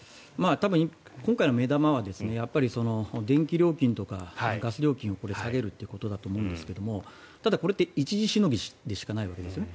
多分、今回の目玉は電気料金とかガス料金を下げるということだと思うんですがただ、これって一時しのぎでしかないわけですよね。